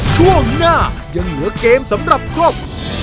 ช่วงหน้ายังเหลือเกมสำหรับครอบครัว